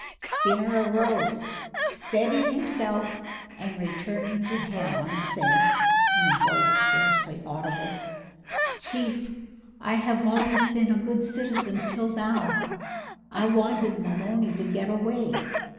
Skinner arose, steadied himself, and turning to Hallen said, in a voice scarcely audible: "Chief, I have always been a good citizen till now. I wanted Maloney to get away.